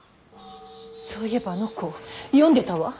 そういえばあの子読んでたわ。